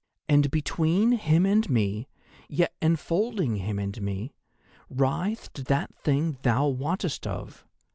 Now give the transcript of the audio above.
And between him and me, yet enfolding him and me, writhed that Thing thou wottest of.